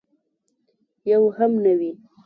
یو هم نه وي.